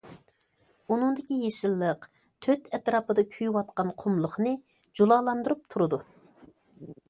ئۇنىڭدىكى يېشىللىق تۆت ئەتراپىدا كۆيۈۋاتقان قۇملۇقنى جۇلالاندۇرۇپ تۇرىدۇ.